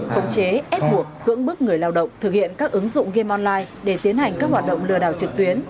công chế ép buộc cưỡng bức người lao động thực hiện các ứng dụng game online để tiến hành các hoạt động lừa đảo trực tuyến